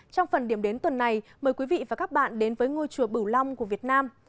trong phần điểm đến tuần này mời quý vị và các bạn đến với ngôi chùa bửu long của việt nam